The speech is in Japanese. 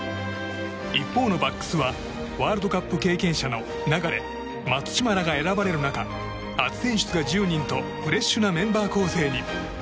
一方のバックスはワールドカップ経験者の流、松田、松島らが選ばれる中初選出が１０名とフレッシュなメンバー構成に。